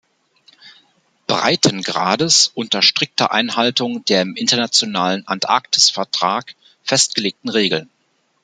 Breitengrades unter strikter Einhaltung der im internationalen Antarktisvertrag festgelegten Regeln.